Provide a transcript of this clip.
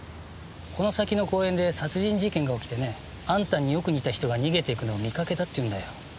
この先の公園で殺人事件が起きてねあんたによく似た人が逃げていくのを見かけたっていうんだよ。